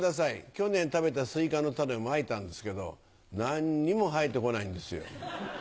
去年食べたスイカの種をまいたんですけど何にも生えてこないんですよ。